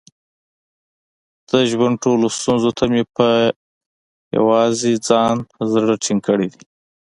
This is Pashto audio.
د ژوند ټولو ستونزو ته مې په یووازې ځان زړه ټینګ کړی دی.